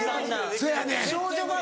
そやねん。